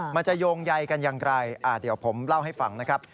มันจะโยงใยกันอย่างไรเดี๋ยวผมเล่าให้ฟังนะครับ